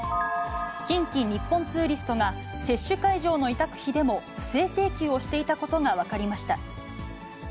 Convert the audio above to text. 近畿日本ツーリストが、接種会場の委託費でも、不正請求をしていたことが分かりました。